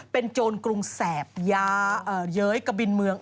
เป็นโจรกรุงแสบยาเย้ยกะบินเมือง